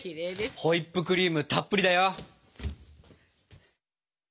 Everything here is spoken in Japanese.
ホイップクリームたっぷりだよ。